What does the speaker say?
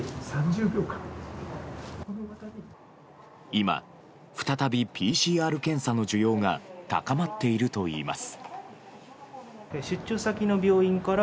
今、再びＰＣＲ検査の需要が高まっているといいます。